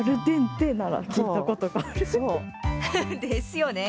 ですよね。